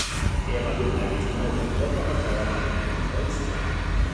Er war Miteigentümer der Krombacher Brauerei in Kreuztal.